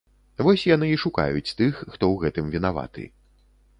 Вось яны і шукаюць тых, хто ў гэтым вінаваты.